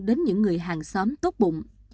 đến những người hàng xóm tốt bụng